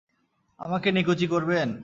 আমাকে নিকুচি করবেন?